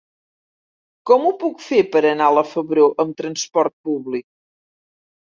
Com ho puc fer per anar a la Febró amb trasport públic?